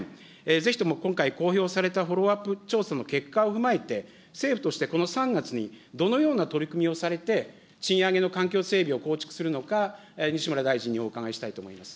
ぜひとも今回、公表されたフォローアップ調査の結果を踏まえて、政府としてこの３月にどのような取り組みをされて、賃上げの環境整備を構築するのか、西村大臣にお伺いしたいと思います。